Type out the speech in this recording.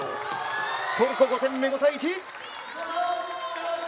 トルコ５点目、５対１。